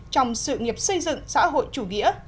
trong sự nghiệp xây dựng xã hội chủ nghĩa